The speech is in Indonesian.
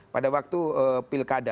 pada waktu pilkada